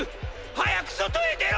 早く外へ出ろ！！